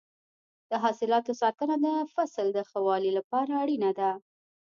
د حاصلاتو ساتنه د فصل د ښه والي لپاره اړینه ده.